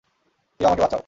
কেউ আমাকে বাঁচাও।